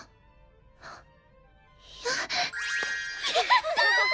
ややった！